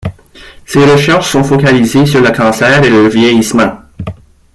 Ses recherches sont focalisées sur le cancer et le vieillissement.